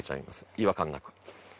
違和感なく。